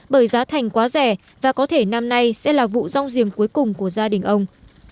bởi giá thành quá rẻ và có thể năm nay sẽ là vụ rong giềng cuối cùng của gia đình ông